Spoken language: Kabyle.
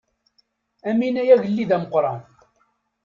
Amin ay agellid ameqqran.